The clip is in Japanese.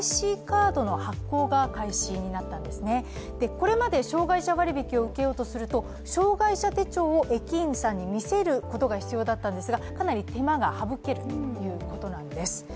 これまで障害者割引きを受けようとすると障害者手帳を駅員さんに見せることが必要だったんですがかなり手間が省けるということなんです。